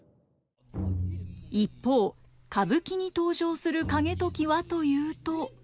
一方歌舞伎に登場する景時はというと。